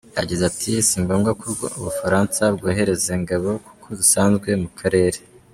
Yagize ati«Si ngombwa ko u Bufaransa bwohereza ingabo kuko zisanzwe mu karere.